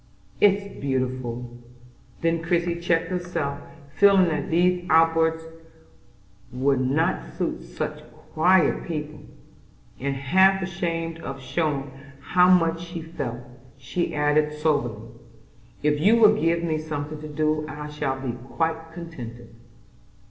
"It's beautiful!" then Christie checked herself feeling that these outbursts would not suit such quiet people; and, half ashamed of showing how much she felt, she added soberly, "If you will give me something to do I shall be quite contented."